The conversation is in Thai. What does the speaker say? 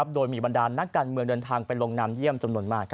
โดยมีบรรดานนักการเมืองเดินทางไปลงนามเยี่ยมจำนวนมาก